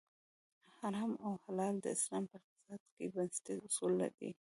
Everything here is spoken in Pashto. حرام او حلال د اسلام په اقتصاد کې بنسټیز اصول دي.